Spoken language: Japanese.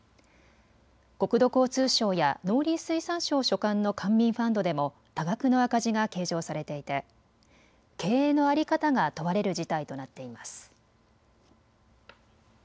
国土交通省や農林水産省所管の官民ファンドでも多額の赤字が計上されていて経営の在り方が問われる事態となっています。